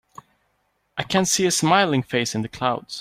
I can see a smiling face in the clouds.